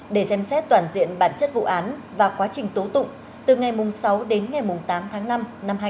để xem xét toàn diện bản chất vụ án và quá trình tố tụng từ ngày sáu đến ngày tám tháng năm năm hai nghìn hai mươi